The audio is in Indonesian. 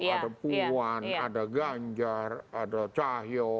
ada puan ada ganjar ada cahyo